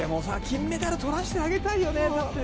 金メダルとらせてあげたいよね。